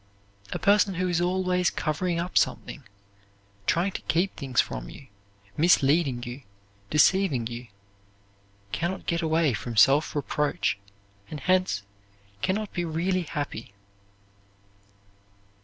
A person who is always covering up something, trying to keep things from you, misleading you, deceiving you, can not get away from self reproach, and hence can not be really happy.